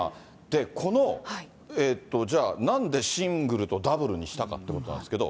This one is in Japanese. このじゃあ、なんでシングルとダブルにしたかってことなんですけど。